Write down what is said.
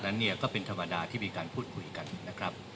นั้นเนี่ยก็เป็นธรรมดาที่มีการพูดคุยกันนะครับ